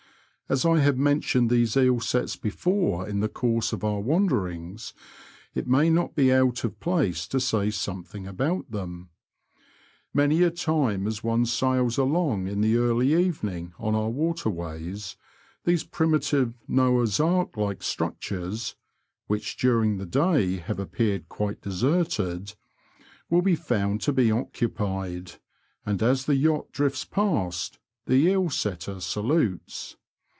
As I have mentioned these eel sets before in the course of our wanderings, it may not be out of place to say something about them. Many a time as one sails along in the early evening on our waterways, these primitive Noah*s Ark like structures (which during the day have appeared quite deserted) will be found to be occupied, and as the yacht drifts past, the eel setter salutes.